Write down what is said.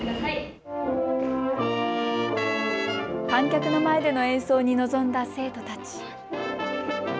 観客の前での演奏に臨んだ生徒たち。